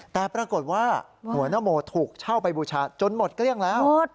แต่ปรากฏว่าหัวนโมถูกเช่าไปบูชาจนหมดเกลี้ยงแล้ว